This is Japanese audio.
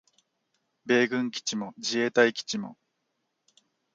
米軍基地も自衛隊基地も